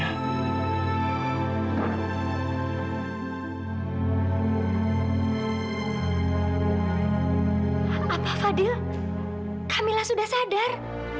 apa fadil kamilah sudah sadar